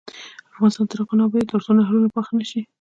افغانستان تر هغو نه ابادیږي، ترڅو نهرونه پاخه نشي.